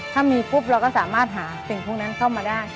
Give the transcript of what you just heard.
ถ้ามีปุ๊บเราก็สามารถหาสิ่งพวกนั้นเข้ามาได้